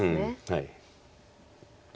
はい。